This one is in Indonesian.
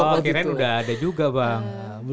wakilnya udah ada juga bang